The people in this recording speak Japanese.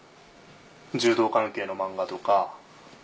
柔道関係の漫画とか。